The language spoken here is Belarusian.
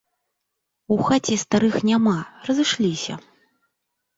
У хаце старых няма, разышліся.